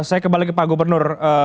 terima kasih pak gubernur